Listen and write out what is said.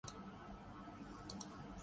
آج قدرت نے ان کے ساتھ ہاتھ کر دیا۔